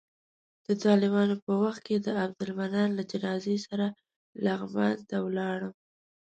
د طالبانو په وخت کې د عبدالمنان له جنازې سره لغمان ته ولاړم.